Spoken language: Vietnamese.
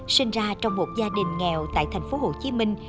sinh ra trong một gia đình nghèo tại thành phố hồ chí minh